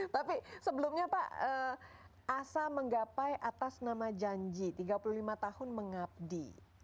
tapi sebelumnya pak asa menggapai atas nama janji tiga puluh lima tahun mengabdi